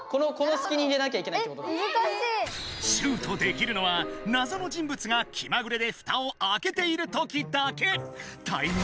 シュートできるのはなぞの人物が気まぐれでふたを開けている時だけ。